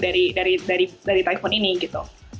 dari dari dari dari typhoon ini gitu